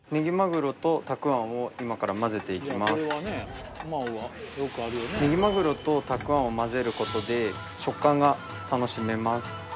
今からねぎまぐろとたくあんをまぜることで食感が楽しめます